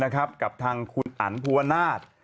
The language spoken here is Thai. กับทางคุณอันภูวนาศ